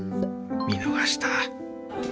見逃したー！